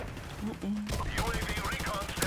Ar psı yağexuabem yi şıgum baxheu khıtêç'aş.